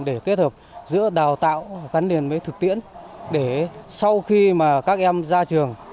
để kết hợp giữa đào tạo gắn liền với thực tiễn để sau khi các em ra trường